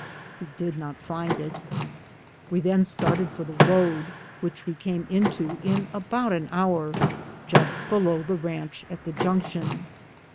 He did not find it. W^e then started for the road, which we came into in about an hour, just below the ranch at the junction.